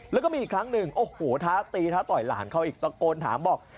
แล้วก็มีอีกครั้งหนึ่งโอ้โหท้าตีท้าต่อยหลานเขาอีกตะโกนถามบอก